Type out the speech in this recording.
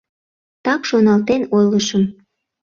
— Так шоналтен ойлышым...